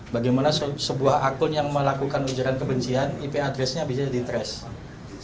bagaimana sebuah akun yang melakukan ujaran kebencian ip adresnya bisa di trace